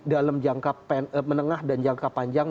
dalam jangka menengah dan jangka panjang